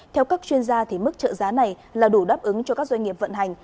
theo các chuyên gia mức trợ giá này là đủ đáp ứng cho các doanh nghiệp vận hành